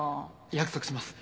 約束します。